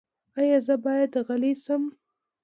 ایا زه باید غلی شم؟